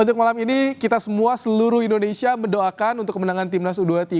untuk malam ini kita semua seluruh indonesia mendoakan untuk kemenangan timnas u dua puluh tiga